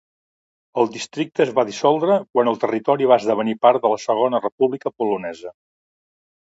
El districte es va dissoldre quan el territori va esdevenir part de la Segona República Polonesa.